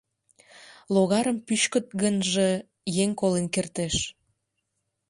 Логарым пӱчкыт гынже, еҥ колен кертеш.